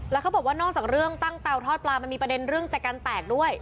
แล้วเขาบอกว่านอกจากเรื่องตั้งเตาทอดปลามันมีประเด็นเรื่องจากการแตกด้วย